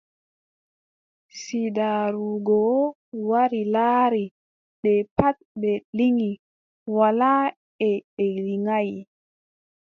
Siidaaru goo wari laari, nde pat ɓe liŋi walaa e ɓe liŋaay ;